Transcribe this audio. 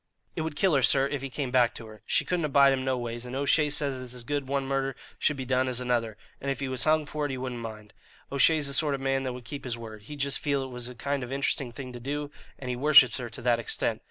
"It would kill her, sir, if he came back to her. She couldn't abide him no ways, and O'Shea says it's as good one murder should be done as another, and if he was hung for it he wouldn't mind. O'Shea's the sort of man that would keep his word. He'd just feel it was a kind of interesting thing to do, and he worships her to that extent.